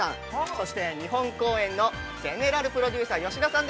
そして日本公演のゼネラルプロデューサー吉田さん。